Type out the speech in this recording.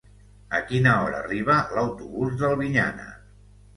A quina hora arriba l'autobús d'Albinyana?